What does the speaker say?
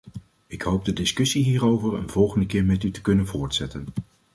Ik hoop de discussie hierover een volgende keer met u te kunnen voortzetten.